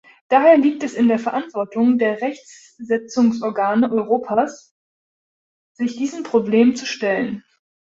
Daher liegt es in der Verantwortung der Rechtsetzungsorgane Europas, sich diesem Problem zu stellen.